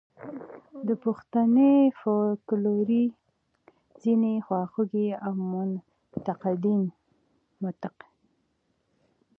د پښتني فوکلور ځینې خواخوږي او منتقدین.